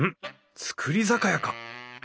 造り酒屋か！